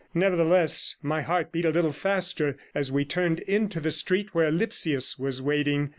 Nevertheless, my heart beat a little faster as we turned into the street where Lipsius was waiting.